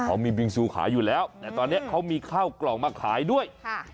เขามีบิงซูขายอยู่แล้วแต่ตอนนี้เขามีข้าวกล่องมาขายด้วยค่ะ